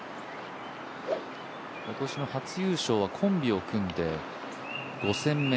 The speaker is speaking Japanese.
今年の初優勝はコンビを組んで５戦目。